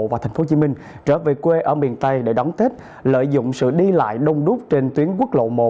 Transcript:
và tp hcm trở về quê ở miền tây để đón tết lợi dụng sự đi lại đông đúc trên tuyến quốc lộ một